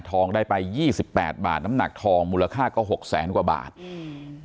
ทองได้ไปยี่สิบแปดบาทน้ำหนักทองมูลค่าก็หกแสนกว่าบาทอืม